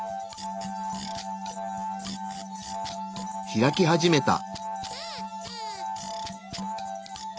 開き始めた。